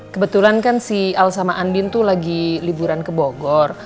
kebetulan kan si al sama andin tuh lagi liburan ke bogor